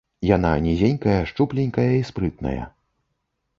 Яна нізенькая, шчупленькая і спрытная.